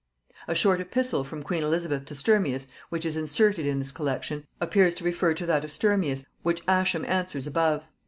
A short epistle from queen Elizabeth to Sturmius, which is inserted in this collection, appears to refer to that of Sturmius which Ascham answers above.